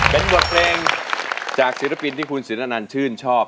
เป็นบทเพลงจากศิลปินที่คุณศิลป์อาจารย์ชื่นชอบ